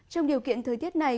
trong điều kiện thời tiết này